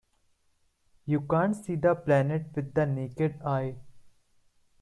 You can't see the planet with the naked eye.